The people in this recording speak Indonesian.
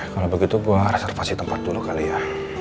kalau begitu gue reservasi tempat dulu kali ya